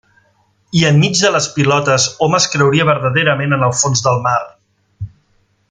I enmig de les pilotes, hom es creuria verdaderament en el fons del mar.